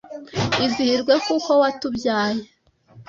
izihirwe kuko watubyaye